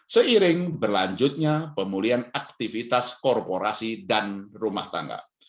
seiring berlanjutnya pemulihan aktivitas korporasi dan rumah tangga